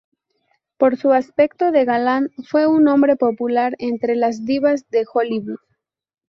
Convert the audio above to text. Por su aspecto de galán, fue un hombre popular entre las divas de Hollywood.